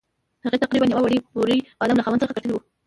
هغې تقریباً یوه وړه بورۍ بادام له خاوند څخه ګټلي وو.